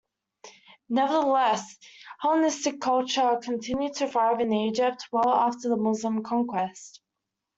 Nevertheless, Hellenistic culture continued to thrive in Egypt well after the Muslim conquest.